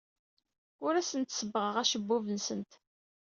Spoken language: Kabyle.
Ur asent-sebbɣeɣ acebbub-nsent.